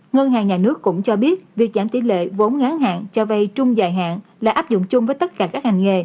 ngân hàng nhà nước cũng cho biết việc giảm tỷ lệ vốn ngắn hạn cho vay trung dài hạn là áp dụng chung với tất cả các ngành nghề